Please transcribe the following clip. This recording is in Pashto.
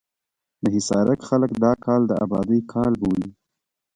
د حصارک خلک دا کال د ابادۍ کال بولي.